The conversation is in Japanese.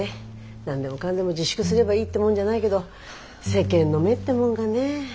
何でもかんでも自粛すればいいってもんじゃないけど世間の目ってもんがねえ。